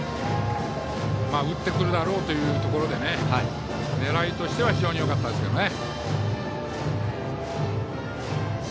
打ってくるだろうというところで狙いとしては非常によかったですけどね。